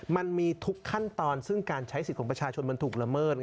มันมีทุกขั้นตอนซึ่งการใช้สิทธิ์ของประชาชนมันถูกละเมิด